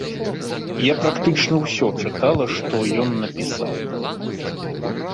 Я практычна ўсё чытала, што ён напісаў.